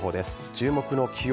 注目の気温。